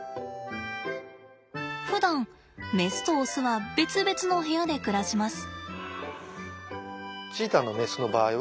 ふだんメスとオスは別々の部屋で暮らします。